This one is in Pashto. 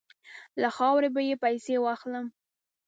له خاورې به یې پسي واخلم.